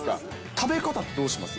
食べ方ってどうします？